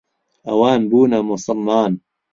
ئەوان بوونە موسڵمان.